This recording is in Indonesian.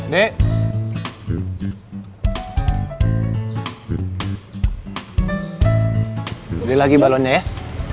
beli lagi balonnya ya